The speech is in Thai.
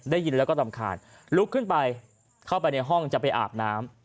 ได้ยินแล้วก็รำคาญลุกขึ้นไปเข้าไปในห้องจะไปอาบน้ำ